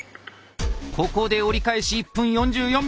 ここで折り返し１分４４秒。